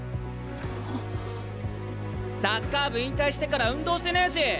サッカー部引退してから運動してねえし。